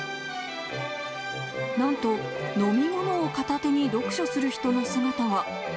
なんと、飲み物を片手に読書する人の姿が。